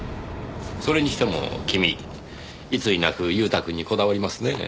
それにしても君いつになく祐太君にこだわりますねえ。